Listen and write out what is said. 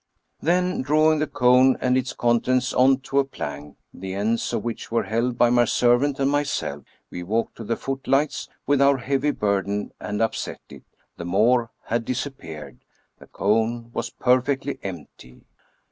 Then, drawing the cone and its contents on to a plank, the ends of which were held by my servant and myself, we walked to the footlights with our heavy burden, and upset it. The Moor had disappeared — ^the cone was perfectly empty